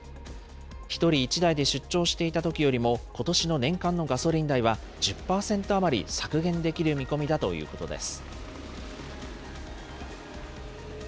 １人１台で出張していたときよりも、ことしの年間のガソリン代は、１０％余り削減できる見込みだということです。